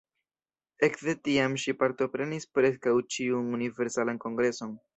Ekde tiam ŝi partoprenis preskaŭ ĉiun Universalan Kongreson.